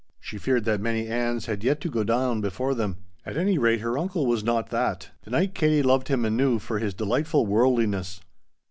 She feared that many Anns had yet to go down before them. At any rate, her uncle was not that. To night Katie loved him anew for his delightful worldliness.